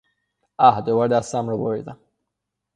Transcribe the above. اه، دوباره دستم را بریدم!